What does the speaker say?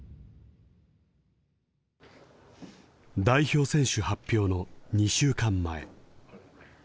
代表選手発表の２週間前。